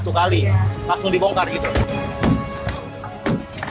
satu kali langsung dibongkar gitu